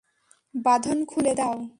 বাঁধন খুলে দাও।